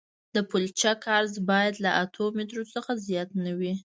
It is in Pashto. د پلچک عرض باید له اتو مترو څخه زیات نه وي